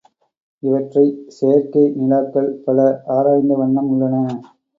இவற்றைச் செயற்கை நிலாக்கள் பல ஆராய்ந்த வண்ணம் உள்ளன.